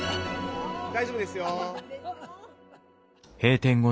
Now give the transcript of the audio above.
大丈夫ですよ。